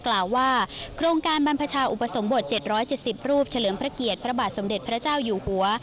กล่าวว่าโครงการบรรพชาอุปสมบท๗๗๐รูปเฉลิมพระเกียรติพระบาทสมเด็จพระเจ้าอยู่หัว